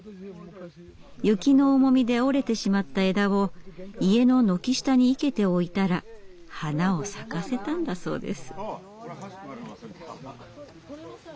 雪の重みで折れてしまった枝を家の軒下に生けておいたら花を咲かせたんだそうです。